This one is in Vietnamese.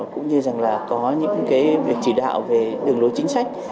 cũng như có những việc chỉ đạo về đường lối chính sách